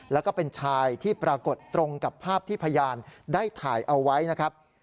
แล้วก็เป็นชายที่ปรากฏตรงกับภาพที่พยานได้ถ่ายเอาไว้นะครับ